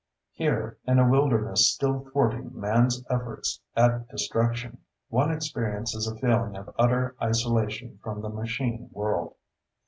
Here, in a wilderness still thwarting man's efforts at destruction, one experiences a feeling of utter isolation from the machine world.